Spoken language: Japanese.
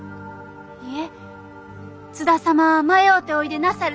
いえ津田様は迷うておいでなさるだけじゃ。